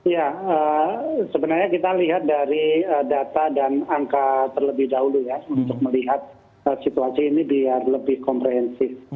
ya sebenarnya kita lihat dari data dan angka terlebih dahulu ya untuk melihat situasi ini biar lebih komprehensif